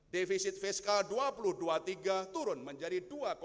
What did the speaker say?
defisit fiskal dua ribu dua puluh tiga turun menjadi dua tiga